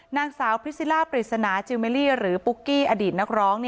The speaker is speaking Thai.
นางสาวพิซิล่าปริศนาจิลเมลี่หรือปุ๊กกี้อดีตนักร้อง